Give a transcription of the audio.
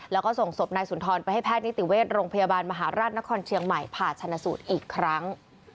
แล้วก็ส่งศพนายสุนทรไปให้แพทย์นิติเวชโรงพยาบาลมหาราชนครเชียงใหม่ผ่าชนะสูตรอีกครั้ง